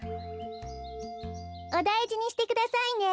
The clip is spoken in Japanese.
おだいじにしてくださいね。